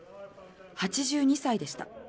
８２歳でした。